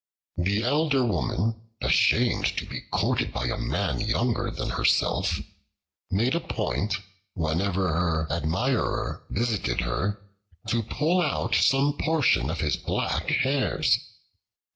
The elder woman, ashamed to be courted by a man younger than herself, made a point, whenever her admirer visited her, to pull out some portion of his black hairs.